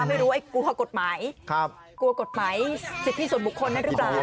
ไม่รู้ไอ้กลัวกฎหมายสิทธิ์ส่วนบุคคลน่ะรึเปล่า